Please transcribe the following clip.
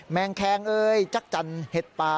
แมงแคงจักรจันทร์เห็ดปลา